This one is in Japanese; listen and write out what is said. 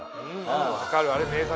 分かるあれ名作。